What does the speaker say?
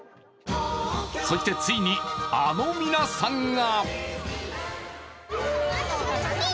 そしてついに、あの皆さんが！